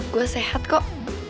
gue sehat kok